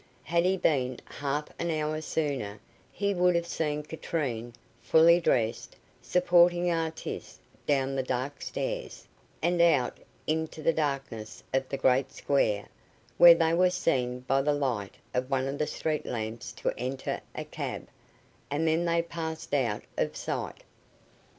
Had he been half an hour sooner, he would have seen Katrine, fully dressed, supporting Artis down the dark stairs, and out into the darkness of the great square, where they were seen by the light of one of the street lamps to enter a cab, and then they passed out of sight.